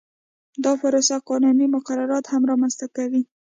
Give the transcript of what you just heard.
دا پروسه قانوني مقررات هم رامنځته کوي